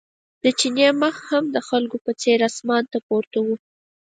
د چیني مخ هم د خلکو په څېر اسمان ته پورته و.